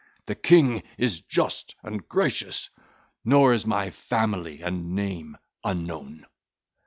The King is just and gracious, nor is my family and name unknown."